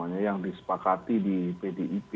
yang disepakati di pdip